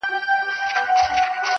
• تر قیامته بل ته نه سوای خلاصېدلای -